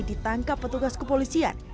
ditangkap petugas kepolisian